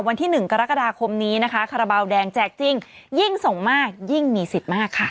วันที่๑กรกฎาคมนี้นะคะคาราบาลแดงแจกจริงยิ่งส่งมากยิ่งมีสิทธิ์มากค่ะ